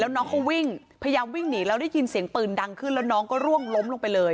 น้องเขาวิ่งพยายามวิ่งหนีแล้วได้ยินเสียงปืนดังขึ้นแล้วน้องก็ร่วงล้มลงไปเลย